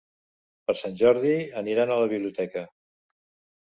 Per Sant Jordi aniran a la biblioteca.